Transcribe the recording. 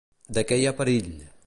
De què hi ha perill?